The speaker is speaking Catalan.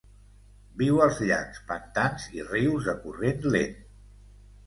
Viu als llacs, pantans i rius de corrent lent.